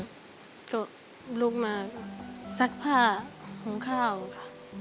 ก็ลุกมาซักผ้าหุงข้าวค่ะ